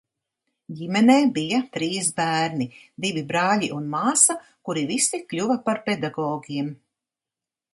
Ģimenē bija trīs bērni – divi brāļi un māsa, kuri visi kļuva par pedagogiem.